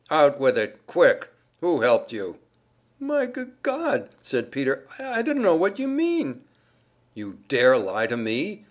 "Out with it! Quick! Who helped you?" "My G God!" said Peter. "I d dunno what you mean." "You dare lie to me?"